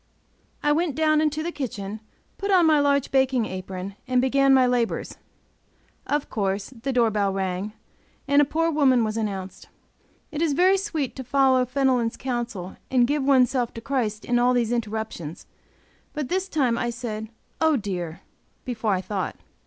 I went down into the kitchen, put on my large baking apron, and began my labors; of course the door bell rang, and a poor woman was announced. It is very sweet to follow Fenelon's counsel and give oneself to Christ in all these interruptions; but this time I said, "oh, dear!" before I thought.